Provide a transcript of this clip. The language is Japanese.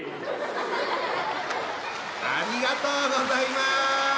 ありがとうございます。